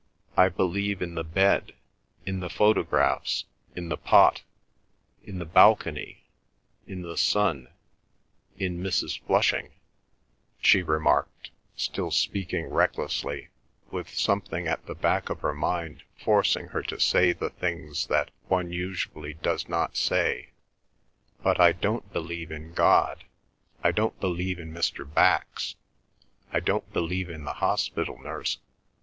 "I believe in the bed, in the photographs, in the pot, in the balcony, in the sun, in Mrs. Flushing," she remarked, still speaking recklessly, with something at the back of her mind forcing her to say the things that one usually does not say. "But I don't believe in God, I don't believe in Mr. Bax, I don't believe in the hospital nurse.